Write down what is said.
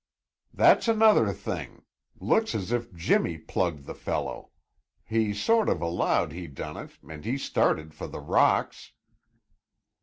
"That's another thing! Looks as if Jimmy plugged the fellow. He sort of allowed he done it and he started for the rocks."